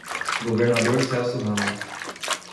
Governador Celso Ramos